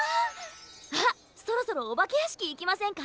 あっそろそろおばけやしきいきませんか？